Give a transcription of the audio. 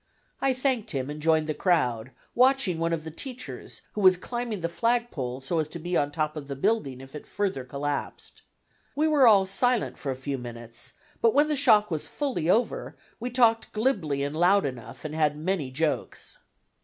I thanked him and joined the crowd, watching one of the teachers, who was climbing the flagpole, so as to be on top of the building if it further collapsed. We were all silent for a few minutes, but when the shock was fully over, we talked glibly and loud enough, and had many jokes.